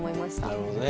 なるほどね。